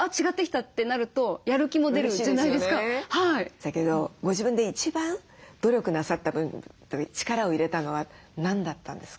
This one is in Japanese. だけどご自分で一番努力なさった部分力を入れたのは何だったんですか？